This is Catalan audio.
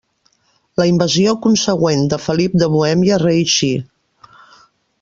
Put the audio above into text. La invasió consegüent de Felip de Bohèmia reeixí.